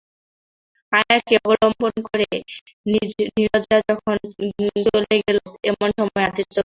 আয়াকে অবলম্বন করে নীরজা যখন চলে গেল এমন সময়ে আদিত্য ঘরে এল।